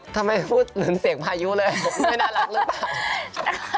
ทำไมพูดเหมือนเสียงพายุเลยไม่น่ารักหรือเปล่า